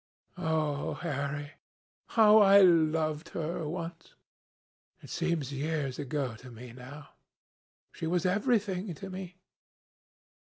Oh, Harry, how I loved her once! It seems years ago to me now. She was everything to me.